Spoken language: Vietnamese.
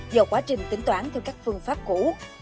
do quá trình tính toán theo các phương pháp cũ